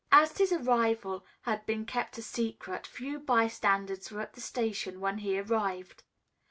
As his arrival had been kept a secret, few by standers were at the station when he arrived.